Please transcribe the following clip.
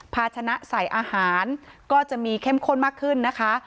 ภาชนะใส่อาหารก็จะมีเข้มข้นมากขึ้นนะคะ